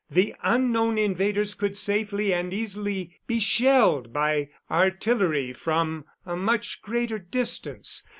The unknown invaders could safely and easily be shelled by artillery from a much greater distance.